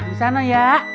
di sana ya